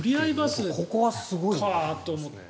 ここはすごいなって。